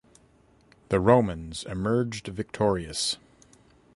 The Romans emerged victorious.